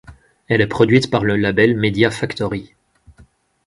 Elle est produite par le label Media Factory.